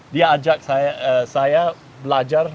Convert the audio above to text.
dia ajak saya belajar